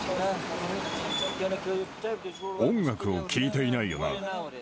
音楽を聴いていないよな？